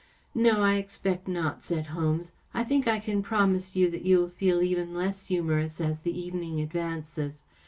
" No, I expect not," said Holmes. " I think I can promise you that you will feel even less humorous as the evening advances.